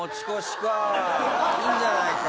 いいんじゃないか？